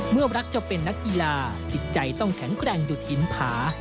เมื่อรักจะเป็นนักกีฬาจิตใจต้องแข็งแกร่งหยุดหินผา